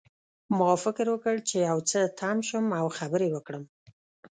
ما فکر وکړ چې یو څه تم شم او خبرې وکړم